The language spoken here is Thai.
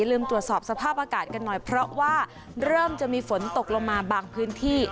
ลืมตรวจสอบสภาพอากาศกันหน่อยเพราะว่าเริ่มจะมีฝนตกลงมาบางพื้นที่